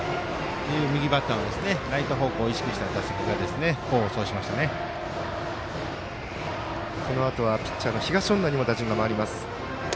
右バッターもライト方向を意識した打席がこのあとはピッチャーの東恩納にも打順が回ります。